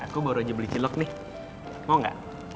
aku baru aja beli cilok nih mau gak